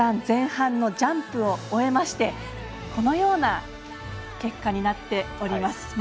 前半のジャンプを終えまして、このような結果になっております。